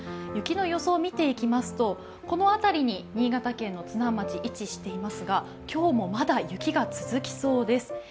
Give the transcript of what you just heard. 雪の予想を見ていきますとこの辺りに新潟県の津南町位置していますが、今日も、まだ雪が続きそうです。